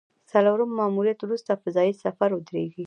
څلورم ماموریت وروسته فضايي سفر ودرېږي